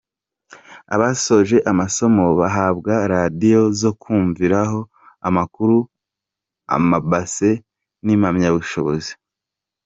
abasoje amasomo bahabwa radiyo zo kumviraho amakuru, amabase n’impamyabushobozi.